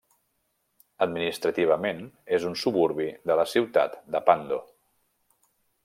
Administrativament, és un suburbi de la ciutat de Pando.